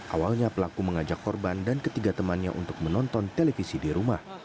awalnya pelaku mengajak korban dan ketiga temannya untuk menonton televisi di rumah